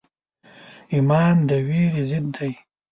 ایمان د ویرې ضد دی.